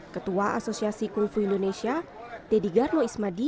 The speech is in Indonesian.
ketua asosiasi kulfu indonesia deddy garno ismadi